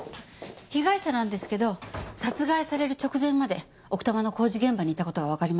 被害者なんですけど殺害される直前まで奥多摩の工事現場にいた事がわかりました。